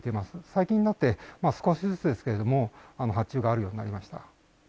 最近になって少しずつですけれども、発注があるようになりました。